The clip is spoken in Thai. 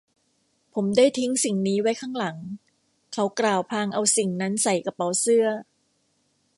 ผมได้ทิ้งสิ่งนี้ไว้ข้างหลัง เขากล่าวพลางเอาสิ่งนั้นใส่กระเป๋าเสื้อ